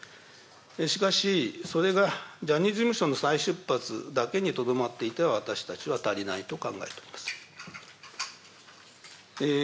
しかし、それがジャニーズ事務所の再出発にとどまっていては、私たちは足りないと考えております。